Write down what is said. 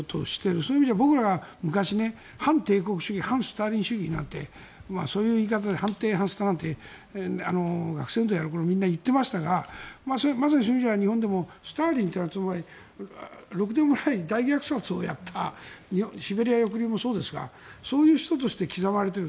そういう意味では僕らは昔、反帝国主義反スターリン主義なんてそう言った言い方で反帝反スタなんて学生運動をやる頃はみんな言っていましたがまさにそういう意味じゃ日本でもスターリンというのはろくでもない大虐殺をやったシベリア抑留もそうですがそういう人として刻まれている。